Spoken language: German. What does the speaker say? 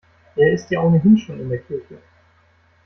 Er ist ja ohnehin schon in der Kirche.